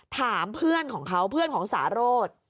ถามเพื่อนของเขาเพื่อนของสารโรธ